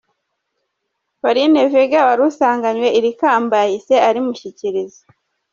Pauline Vega wari usanganywe iri kamba yahise arimushyikiriza.